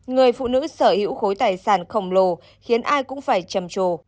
người phụ nữ sở hữu khối tài sản khổng lồ khiến ai cũng phải trầm trồ